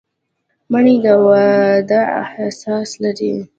منی د وداع احساس لري